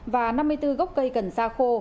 và năm mươi bốn gốc cây cần sa khô